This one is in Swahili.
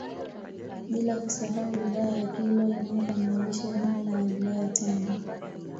Bila kusahau wilaya ya Kilwa inayokamilisha jumla ya wilaya tano